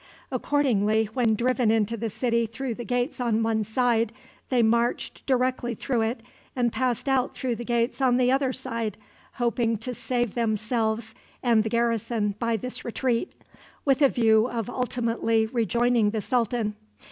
Accordingly, when driven into the city through the gates on one side, they marched directly through it and passed out through the gates on the other side, hoping to save themselves and the garrison by this retreat, with a view of ultimately rejoining the sultan.